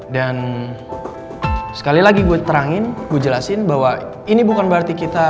dan sekali lagi gue terangin gue jelasin bahwa ini bukan berarti kita